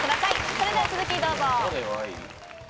それでは続きをどうぞ。